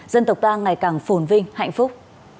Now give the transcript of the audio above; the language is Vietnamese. dân tộc ta ngày càng phồn vinh hạnh phúc